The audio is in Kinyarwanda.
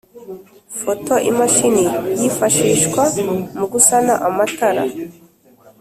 Photo Imashini yifashishwa mu gusana amatara